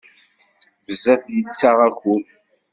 Bezzef yettaɣ akud.